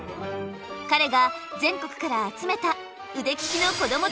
彼が全国から集めた腕利きのこども